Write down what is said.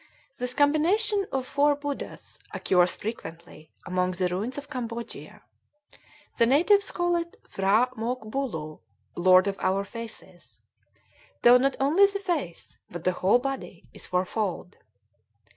This combination of four Buddhas occurs frequently among the ruins of Cambodia. The natives call it P'hra Mook Bulu ("Lord of Four Faces"), though not only the face, but the whole body, is fourfold.